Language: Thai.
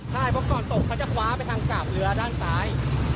ใช่เพราะก่อนตกเขาจะคว้าไปทางกาบเรือด้านซ้าย